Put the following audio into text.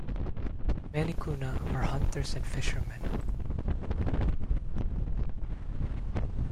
Many Kuna are hunters and fishermen.